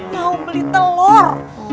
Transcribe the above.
mau beli telur